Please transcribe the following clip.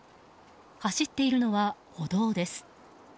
走っているのは歩道です。